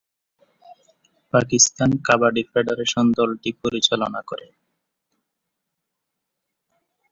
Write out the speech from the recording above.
Pakistan kabaddi federation দলটি পরিচালনা করে।